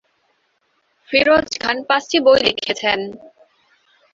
ফিরোজ খান পাঁচটি বই লিখেছেন।